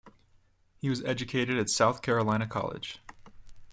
He was educated at South Carolina College.